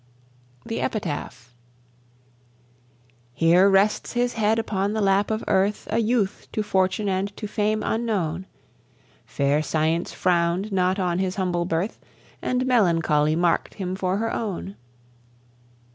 THE EPITAPH. Here rests his head upon the lap of Earth A Youth to Fortune and to Fame unknown; Fair Science frown'd not on his humble birth, And Melancholy mark'd him for her own.